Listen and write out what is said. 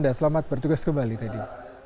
dan selamat bertugas kembali tadi